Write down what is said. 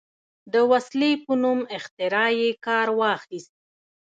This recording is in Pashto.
د وسلې په نوم اختراع یې کار واخیست.